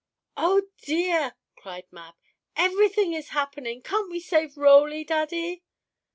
"Oh dear!" cried Mab. "Everything is happening! Can't we save Roly, Daddy?"